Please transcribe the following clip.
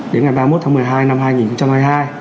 đến ngày ba mươi một tháng một mươi hai năm hai nghìn hai mươi hai